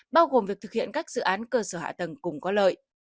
bao gồm việc thực hiện các dự án cơ sở hạ tầng cùng có lợi